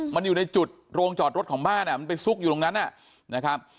มันอยู่ในจุดโรงจอดรถของบ้านมันไปซุกอยู่ตรงนั้นนะครับ